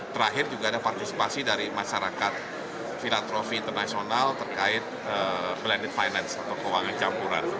terakhir juga ada partisipasi dari masyarakat filantrofi internasional terkait blended finance atau keuangan campuran